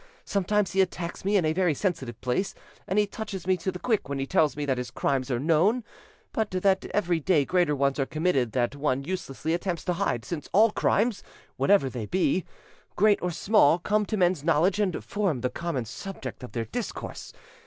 Sometimes he attacks me in a very sensitive place, and he touches me to the quick when he tells me that his crimes are known, but that every day greater ones are committed that one uselessly attempts to hide, since all crimes, whatsoever they be, great or small, come to men's knowledge and form the common subject of their discourse.